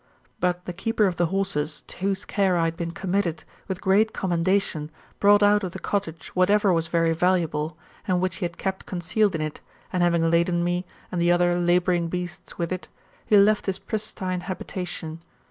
But the keeper of the horses, to whose care I had been committed, with great commendation, brought out of the cottage whatever was very valuable, and which he had kept concealed in it, and having laden me, and the other labouring beasts with it, he left his pristine habitation.